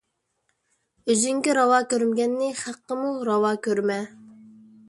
ئۆزۈڭگە راۋا كۆرمىگەننى خەققىمۇ راۋا كۆرمە.